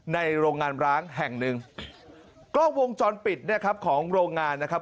โรงงานร้างแห่งหนึ่งกล้องวงจรปิดเนี่ยครับของโรงงานนะครับ